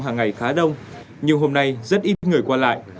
hàng ngày khá đông nhưng hôm nay rất ít người qua lại